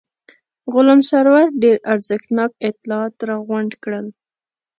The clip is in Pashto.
غلام سرور ډېر ارزښتناک اطلاعات راغونډ کړل.